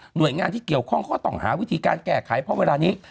โดยงานที่เกี่ยวข้องเขาก็ต้องหาวิธีการแก้ไขเพราะเวลานี้